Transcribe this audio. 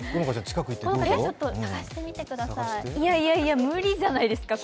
いやいや、無理じゃないですか、もう。